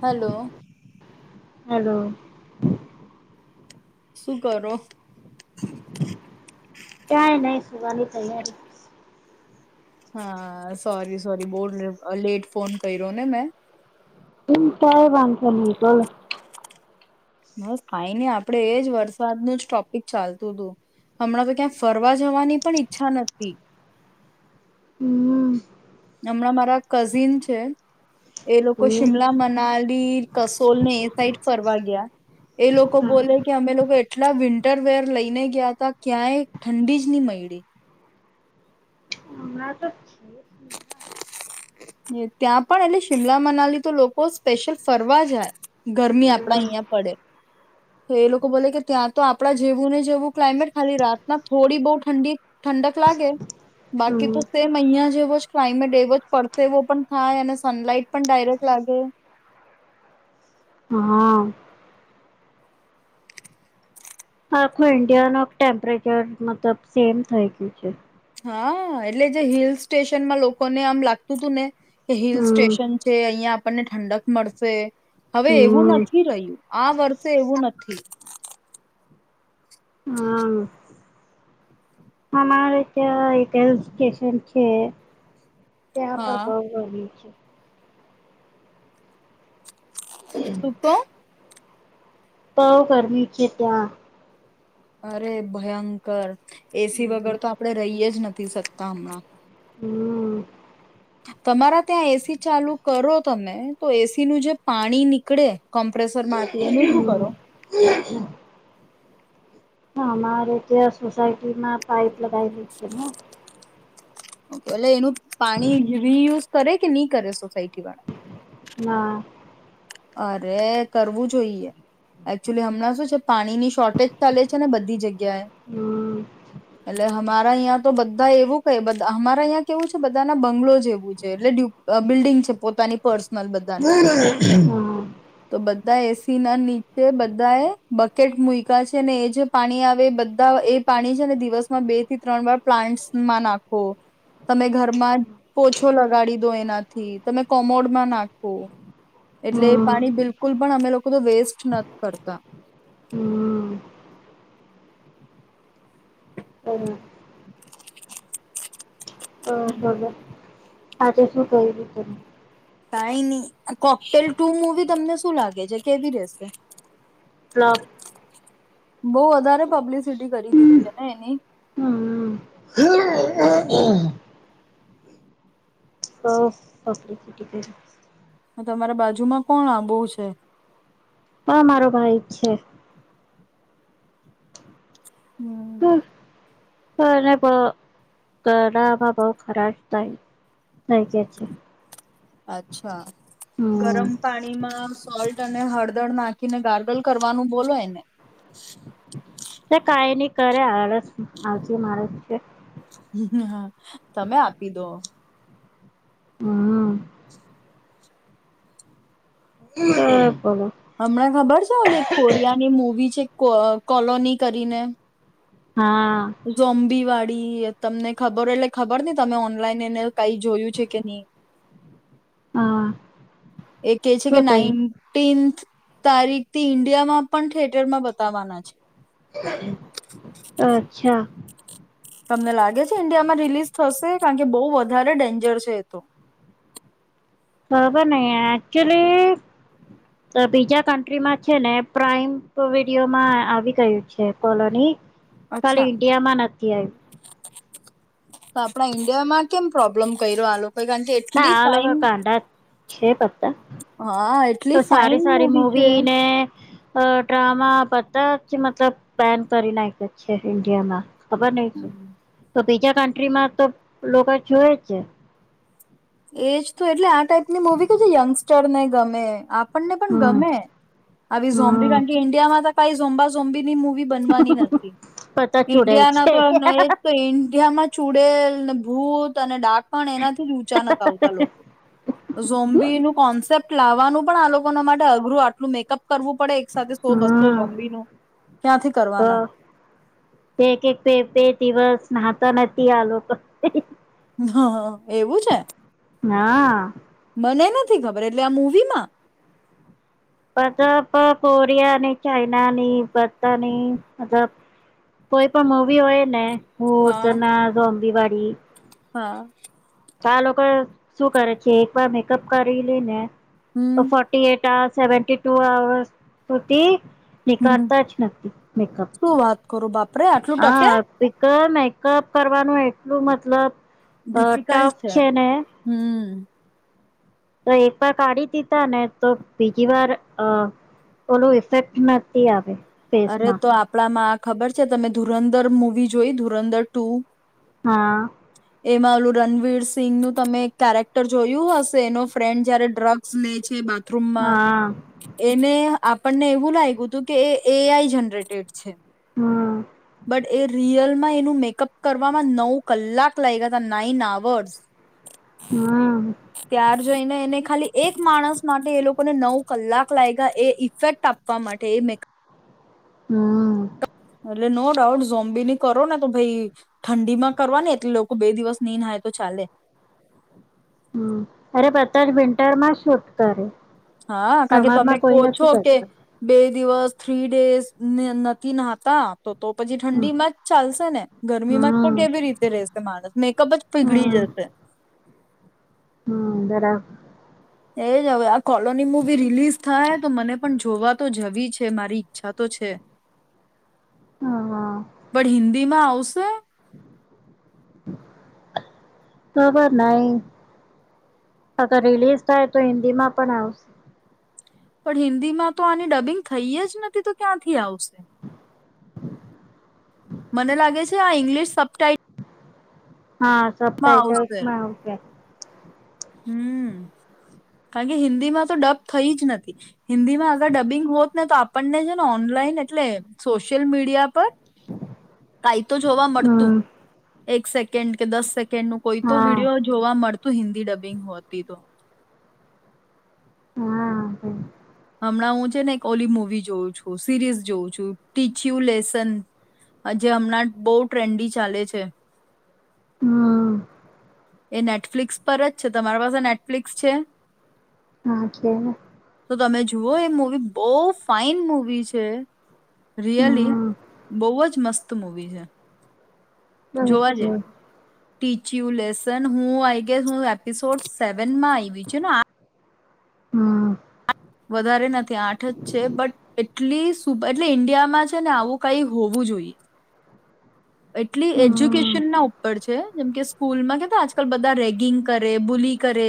Hello hello શું કરો કાય નહી સુવાની તૈયારી હા સોરી સોરી બહ લેટ ફોન કર્યો ને મેં હ ક વાંધખલીકલ બસ કઈ નઈ આપડે એજ વરસાદનું જ ટોપિક ચાલતું હતું હમણાં તો ક્યાં ફરવા જવાની પણ ઈચ્છા નથી હમ હમણાં મારા કઝિન છે એ લોકો હમ શિમલા મનાલ ી કસોલ ને એ સાઈડ ફરવા ગયા એ લોકો બોલે કે અમે લોકો એટલા વિન્ટર વર લઈને ગયા ત ક્યાંય ઠંડી જ નહી મળડી હમણાં તો ત્યાં પણ એટલે શિમલા મનાલી તો લોકો સ્પેશિયલ ફરવા જાય ગરમી આપડા હમ અહં પડે તો એ લોકો બોલે કે ત્યાં તો આપડા જેવું ને જેવું ક્લાયમેટ ખાલી રાતના થોડી બહુ ઠંડી ઠંડક લાગે બાકી હમ તો સેમ અહીયા એો જ ક્લાઇમેટ એવો જ પરસેવો પણ થાય અને સનલાઈટ પણ ડાયરેક્ટ લાગે હા આખો ઇન્ડિયા ન ટેમ્પરેચર મતલબ સેમ થઈ ગયું છે હા એટલે જે હિલ સ્ટેશનમાં લોકો ને આમ લાગતું હતું ને હિલ હમ સ્ટેશન છે અહિયાં આપણને ઠંડક મળશે હવે એવું હમ નથી રહ્યું આ વર્ષે એવું નથી. હા અમારે ત્યાં કેશ કેશન છે. ત્યાં હા, પણ [unintelligible] છે. તું તો તોવ કરમી છે ત્યા. અરે ભયંકર એસી વગર તો આપડે રહીએ જ ન થી શકતા અમણાં હમ. તમારા ત્યાં એસી ચાલુ કરો તમે તો એસી નું જે પાણી નીકડે કમ્પ્રેસરમાંથી એનું શું હમ કરો. હા અમારે ત્યાં સોસાયટીમાં પાઈપ લગાવેલી છે. હ અલે એનું પાણી રિયુઝ કરે કે ની કરે સોસાયટી વાળા? ના. અરે કરવું જોઈએ. એક્ચુલી હમણાં શું છે પાણીની શોર્ટેજ ચાલે છે ને બધી જગ્યાએ હમ એટલે હ મારા અયા તો બધા એવું ક હમારા અયા કેવું છે બધા ના બંગલો જેવું છે. એટલે બિલ્ડિંગ છે પોતાની પર્સ હ. તો બધા એસી ના નીચે બધા એ બકેટ મુયકા છે ને એ જે પાણી આવે એ બધા એ પાણી છે ને દિવસમાં બે થી ત્રણ વાર પ્લાન્ટમાં નાખો. તમે ઘરમાં પોછો લગાડી દો એનાથી તમે કોમોડમાં નાખો. એટલે પાણી બિલકુલ પણ અમે લોકો તો વેસ્ટ નથ કરતા. [inaudible] આજે શું કર્યું. ત કાઈ ની કોકટેલ ટુ મુવી તમને શું લાગે છે કેવી રેશે. ફ્લૉપ બઉ વધારે પબ્લિસિટી કરી દીધી છે ને એની. હમ [unintelligible] ઓ ઓક તમારા બાજુમાં કોણ આ બોવ છે. પણ મારો ભાઈ છે. હમ [unintelligible] અચ્છા હમ ગરમ પાણીમાં સોલ ટને હળદર નાખીને ગાર્ડલ કરવાનું બોલો એને. તેં કંઈ ની કરે આળસ આળસું માણસ છે. તમે આપી દો. હમ. [unintelligible] અમણે ખબર છે આલે કોરિયા ની મુવી છે. કો કોલોની કરીને. હા જોમ્બીવાડ ડી તમને ખબર એટલે ખબર નહ તમે ઓનલાઈન એને કઈ જોયું છે કે નહી. હા. એ કે છે કે શું થયું નાઇટીન્થ તારીખથી ઇન્ડિયામાં પણ થિયટરમાં બતાવવાના છે. અચ્છા. તમને લાગે છે ઇન્ડિયામાં રિલીઝ થશે કારણ કે બહુ વધારે ડેન્જર છે એ તો. ખબર નઈ એકચુલી બીજા કન્ટ્રીમાં છે ને પ્રાઈમ વિડીયોમાં આવી ગયું છે કોલોની કાલે ઈન્ડિયા માં નથી આવ આપડા ઈન્ડિયા માં કેમ પ્રોબ્લેમ કર્યો આલો ના આ લોકો કાંડા છે પત્તા હા તો એટલી ફાઈન સારી સારી છે. મૂવી ને. અ ડ્રામા બતા મતલબ પન કરી નાખ છે ઇન્ડિયામાં. ખબર નહિ છે. બીજા કન્ટ્રી માં તો લોકો જોવે જ છે. એજ તો એટલે આ ટાઈપ ની મૂવી કે છે યંગસ્ટર ને ગમે. આપણને પણ હમ ગમે આવી ઝો હમ કારણ કે ઇન્ડિયા માં ભાઈ જમ્બ જોમ્ીની મુ બ નથી બધા જોડેલ ઇન્ડિયા છે તો ઇન્ડિયામાં છૂડે ભૂત અને ડાક પણ એનાથી જ લોકો ઝોમ્બી ન કોન્સેપ્ટ લાવવાનું પણ આ લોકો ના માટે અઘરું આટલું મેકઅપ કરવું પડે એક સાથે સો બસો હમ સઝોમ્બી ન ક્યાંથી તો કરવાના. એક એક બે બે દિવસ નાહતા નથી આ લોકો પણ. હા હ એવું છે. હા. મને નથી ખબર એટલે આ મૂવીમાં મત કોરિયાની ચાઈનાની ભતાની મલ કોઈ પણ મવી હોય ને. હટ હા. ના સોબી વાડી [inaudible] હા. ચા લોકો શું કરે છે એક વાર મેકઅપ કરીલી ને તો હમ. Forty eight- seventy two hours સુતી ન હમ કરતા જ નક્કી મેકઅપ શું વાત કરો બાપરે આટલું ટકે હા પ તો મેકઅપ કરવાનું એટલું મતલબ અ ડિફિકલ્ટ ટફ છે ને હમ તો એક વાર કાઢી દીધા ને તો બીજી વાર અહ ઓલું ઇફેક્ટ નથી આવે અરે ફેસમાં તો આપડા માં ખબર છે તમે ધુરંદર મુવી જોઈ ધુરંદર ટુ? હા. એમાં ઓલું રણવીર સિંંગ નું તમે એક કેરેક્ટર જોયું હશે એનો ફ્રેન્ડ જયારે ડ્રગ્સ લે છે બા થ્રુમ માં હા એને આપણને એવું લાગ્યું હતું કે એ એ આઈ જનરેટેડ છે. હમ બટ એ રિયલ માં એનું મેકઅપ કરવામાં નવ કલાક લાઈગા તા નાઈન આવર્સ. હમ ત્યાર જઈને એને ખાલી એક માણસ માટે એ લોક કો ના નવ કલાક લાગ્યા એ ઇફેક્ટ આપવા માટે એ મેક હમ્મ. એટલે નો ડાઉટસ ઝોમ્બીની કરો ને તો ભાઈ ઠંડી માં કરવા એટલે લોકો બે દિવસ નની નાય તો ચાલે. હમ્મ અરે પતા જ વિન્ટર માં છૂટ કરે. હા, કારણ કે તમે સમરમાં કો કોઈ છો નથી કે કરતો બે દિવસ થ્રી ડેઝને નથી નાહતા તો તો પછી હમ ઠંડી માં જ ચાલશે ને. ગરમીમાં જ તો હમ કેવી રીતે રશે માણસ મેકઅપ જ પીગળી જશે. હા બરા એજ હવે આ કોલોની મુવી રિલીઝ થાય તો મને પણ જોવા તો જવી છે મારી ઈચ્છા તો છે. હા બટ હિન્દી માં આવશ સા ખબર નાઈ અગર રિલીઝ થાય તો હિન્દી માં પણ આવશે. પણ હિન્દીમાં તો આની ડબિંગ થઈ જ નથી તો ક્યાંથી આવશે? મને લાગે છે આ ઇંગ્લિશ સબ ટાઇટ હા સબ ટાાઈટલ્સમાં ઓકે. હમ્મ. કારણ કે હિન્દી માં તો ડપ થઈ જ નથી. હિન્દી માં અગર ડબિંગ હો ના તો આપણને છે ને ઓનલાઈન એટલે સોશિયલ મીડિયા પર કઈ તો જોવા મળતું. હમ એક સેકન્ડ કે દસ સેક કેન નું કોઈ તો હા વિડિયો જોવા મળ [inaudible] તો હિન્દી ડબ હિંગ હોતી તો. હા આવે. હમણાં હું છે ને એક ઓલી મુવી જોઉં છું સિરીઝ જોઉ છું ટીચયુ લેસન જે હમણાં બહ ટ્રેન્ડી ચાલે છે. [inaudible] એ નેટફ્લિક્સ પર જ છે તમારી પાસે નેટફ્લિક્સ છે હા છેને તો તમે જુઓ એ મુવી બો ફઇન મુવી છે રયલી હમ બો ઓજ મસ્ત મૂવી છે અચ્છા ટીચયુ લેસન હું આઈ ગેસ હું એપિસોડ સે વનમાં આયવી છું હમ વધારે નથી આઠ જ છે બટ એટલી સુ એટલે ઈન્ડિયામાં છે ને આવું કઈ હોવું જોઈએ એટલી હમ એજ્યુકેશન ના ઉપર છે જેમ કે સ્કૂલ માં કેતા આજકાલ બધા રેગિંગ કરે બુલી કરે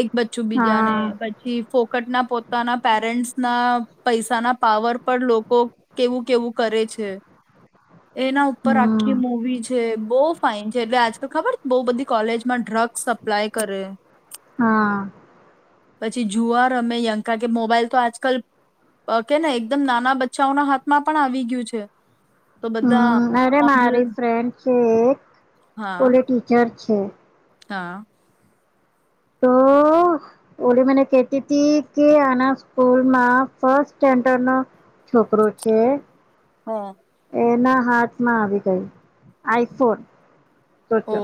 એક બચ્ચું બીજા હા ને પછી ફો કટના પોતાના પેરેન્ટ્સ ના પૈસાના પાવર પર લોકો કેવું કેવું કરે છે એના ઉપર હમ આખી મૂવી છે બો ફાઇન છે એટલે આજકાલ ખબર બો બધી કોલેજમાં ડ્રગ્સ સપ્લાય કરે હા પછી જુઆ રમે યંકા કે મોબાઈલ તો આજકાલ કેને એકદમ નાના બચ્ચાઓના હાથમાં પણ આવી ગયું છે તો બધ અરે મારી ફ્રેન્ડ છે એક હા ઓલી ટીચર છે હા તો ઓલી મને કેતી હતી કે આના સ્કૂલમાં ફસ્ટ સ્ટેન્ડર્ડ નો છોકરો છે હા એના હાથમાં આવી ગઈ આઈફોન ઓ સોચો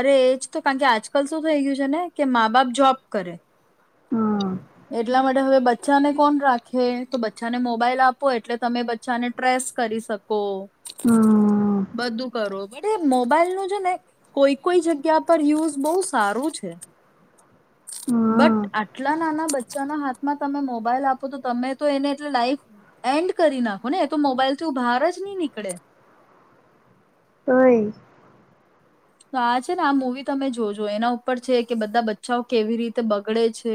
અરે એજ તો કારણ કે આજકાલ શું થઈ ગયું છે ને કે મા બાપ જોબ કરે હમ એટલા માટે હવે બચ્ચાને કોણ રાખે તો બચ્ચાને મોબાઈલ આપો એટલે તમે બચ્ચાને ટ્રેસ કરી શકો હમ બધું કરો [unintelligible] એ મોબાઈલ નું છે ને કોઈ કોઈ જગ્યા પર યુઝ બો સારો છે બટ હમ આટલા નાના બચ્ચાના હાથમાં તમે મોબાઈલ આપો તો તમે તો એને એટ લાઈફ એન્ડ કરી નાખો ને તો મોબાઈલથી બહાર જ નહી નીકળે [unintelligible] તો આ છે ને આ મુવી તમે જોજો એના ઉપર છે કે બધા બચ્ચાઓ કેવી રીતે બગડે છે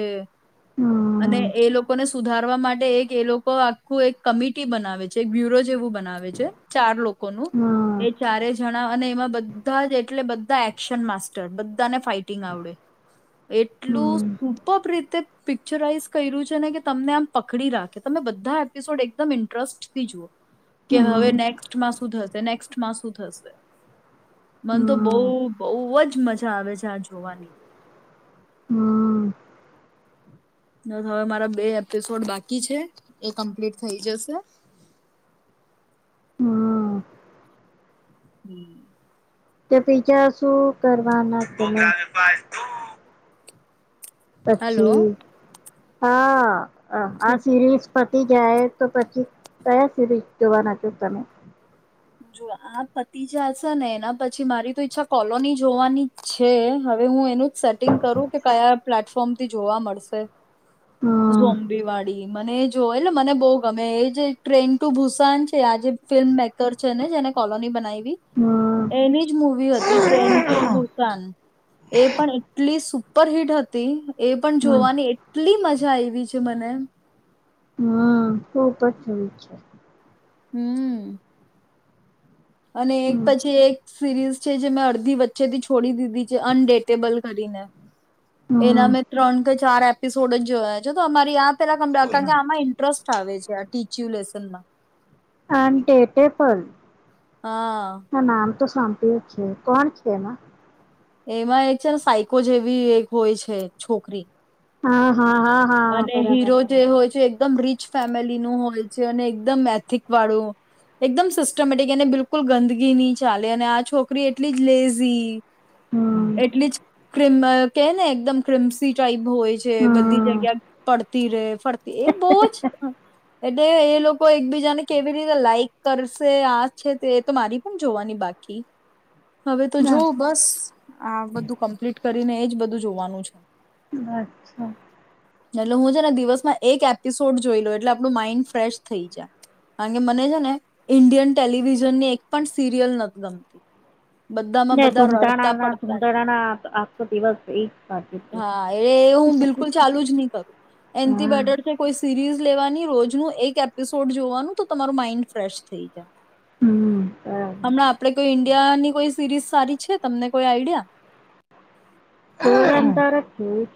અને હમ એ લોકોને સુધારવા માટે એક એ લોકો આખું એક કમિટી બનાવે છે એક બ્યુરો જેવું બનાવે છે ચાર લોકોનું હમ એ ચારે જણા અને એમાં બધા જ એટલે બધા એક્શન માસ્ટર બધાને ફાઈટિંગ આવડે. હમ એટલું સુપર રીતે પી પિક્ચરાઈઝ કર્યું છે ને કે તમને આમ પકડી રાખે તમે બધા એપિસોડ એકદમ ઇન્ટરેસ્ટ થી જુઓ કે હવે હમ નેક્સ્ટમાં શું થશે નેક્સ્ટમાં શું થ થશે. મન તો હમ બઉુ બઉુ જ મજા આવે છે આજે જોવાની હમ્મ. હવે મારા બે એપિસોડ બાકી છે એ કમ્પ્લીટ થઈ જશે. હમ [inaudible] કે પીજા શું કરવાના તમે હેલો પછી હા. આ આ સિરીઝ પતિ જાય તો પછી કયા સધી જોવાના છો તમે. જો આ પતિ જશે ને એના પછી મારી તો ઈચ્છા કોલોની જોવાની છે હવે હું એનું જ સેટિંગ કરું કે કયા પ્લેટફોર્મથી જોવા મળશે. હમ ઝોમ્બેવાડી મને એજ જો એટલે મને બો ગમે એ જે ટ્રેન ટુ ભૂસાન છે આજે ફિલ્મ મેક કાર છે ને જેને કોલોની બનાવી વી હમ એની જ મુવી હતી ટ્રેડ ટુ ભુસાન. એ પણ એટલી સુપર હિટ હતી. એ પણ હમ જોવાની કેટલી મજા આવી છે મને. હો પછી [unintelligible] છે. હમ્મ. અને એક હમ પછી એક સિરીઝ છે જે મેં અડધી વચ્ચેથી છોડી દીધી છે અનડેટેબલ કરીને હમ એના મેં ત્રણ કે ચાર એપિસોડ જ જોયા છે તો અમારી આ પેલા [unintelligible] આમાં ઇન્ટરેસ્ટ આવે છે આ ટીચયુલેશન માં. આમ ટે ટે પણ હા. તો સાંભળ્યું છે કોણ છે એમાં. એમાં એક છે ને સાયકો જેવી એક હોય છે છોકરી. હા. હા હા હા અને બરાબર હીરો જે બરાબર હોય છે એકદમ રીચ ફે ફેમલી નું હોય છે અને એકદમ એથિક વાળું એકદમ સિસ્ટમેટિક એને બિલકુલ ગંદગી ની ચાલે અને આ છોકરી એટલી જ લેઝી હમ એટલી જ [unintelligible] કે ને એકદમ ક્રિમસી ટાઈપ હોય છે બધી હમ જગ્યા પડતી રે પડતી એ બો જ એટલે એ લોકો એકબીજાને કેવી રીતે લાઈક કરશે આ છે એ તો મારી પણ જોવાની બાકી. હવે તો ના જોવ બસ. આ બધું કમ્પ્લીટ કરીને એજ બધું જોવાનું છે અચ્છા. એટલે હું છે ને દિવસમાં એક એપિસોડ જોઈ લઉ એટલે આપણું માઈન્ડ ફ્રેશ થઈ જાય. કારણ કે મને છે ને ઇન્ડિયન ટેલિવિઝનની એક પણ સિરિયલ નથી ગમતી. બધામાં ના બધા ધૂમટાણા રડતા ના પડતા જ. ધૂમટાણા ના આજ તો દિવસ એ સાથી છે. હા એ હું બિલકુલ ચાલુ જ નહી કર એન થી બેટર કો સૂઝી લેવાની રોજનું એક એપિસોડ જોવાનું તો તમારું માઈન્ડ ફ્રેશ થઈ જાય. હમ બરાબર હમણાં આપણે કોઈ ઈન્ડિયાની કોઈ સિરીઝ સારી છે તમને કોઈ આઈડિયા? [unintelligible]